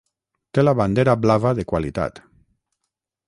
Té la bandera blava de qualitat.